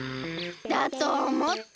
だとおもった！